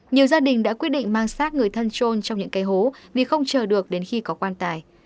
nhiều gia đình đã quyết định mang sát người thân trôn trong những cây hố vì không chờ được đến khi có quan tài